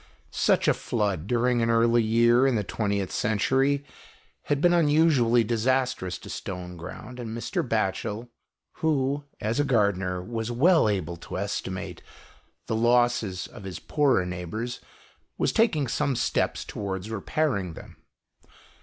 Such a flood, during an early year in the 20th century, had been unusually disastrous to Stoneground, and Mr. Batchel, who, as a 63 GHOST TALES. gardener, was well able to estimate the losses of his poorer neighbours, was taking some steps towards repairing them.